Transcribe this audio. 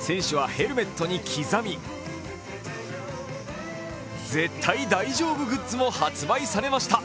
選手はヘルメットに刻み絶対大丈夫グッズも発売されました。